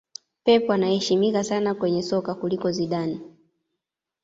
Pep anaheshimika sana kwenye soka kuliko Zidane